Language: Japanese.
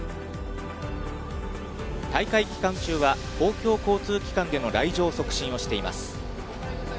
大会期間中は、公共交通機関での来場促進をしています。